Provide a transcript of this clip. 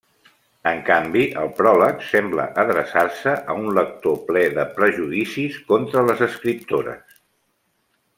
En canvi, el pròleg sembla adreçar-se a un lector ple de prejudicis contra les escriptores.